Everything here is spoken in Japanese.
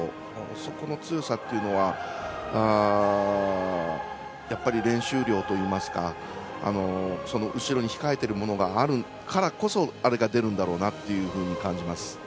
そこの強さっていうのはやっぱり練習量といいますかその後ろに控えているものがあるからこそあれが、出るんだろうなっていうふうに感じます。